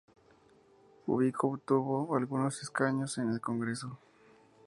Ubico obtuvo algunos escaños en el Congreso.